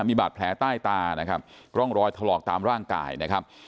มีบาดแผลใต้ตานะครับร่องรอยถลอกตามร่างกายนะครับ